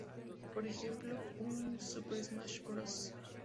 Por ejemplo, en "Super Smash Bros.